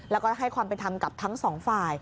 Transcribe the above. แล้วก็ให้ความเป็นธรรมกับทั้งสองฝ่าย